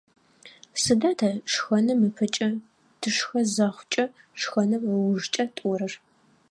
Сыда тэ шхэным ыпэкӏэ, тышхэ зыхъукӏэ, шхэным ыужкӏэ тӏорэр?